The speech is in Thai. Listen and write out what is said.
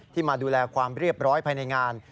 มาดูแลความเรียบร้อยภายในงาน